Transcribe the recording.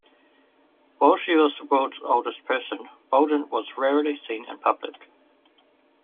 While she was the world's oldest person Bolden was rarely seen in public.